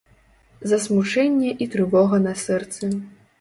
Засмучэнне і трывога на сэрцы.